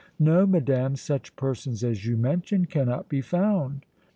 No, madame, such persons as you mention cannot be found."